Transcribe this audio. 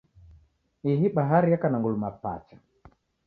Ihi bahari yeka na nguluma pacha.